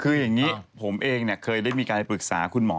คืออย่างนี้ผมเองเนี่ยเคยได้มีการปรึกษาคุณหมอ